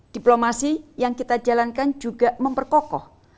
diplomasi yang kita jalankan juga memperkokoh